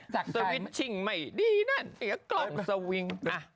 สวิตชิงไม่ดีน่ะเดี๋ยวกล่องสวิง